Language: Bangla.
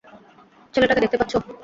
ছেলেটাকে দেখতে পাচ্ছ?